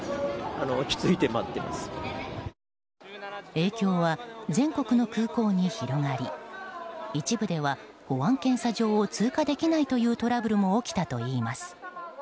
影響は全国の空港に広がり一部では保安検査場を通過できないというトラブルも起きたといいます。